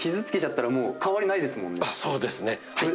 そうですねはい。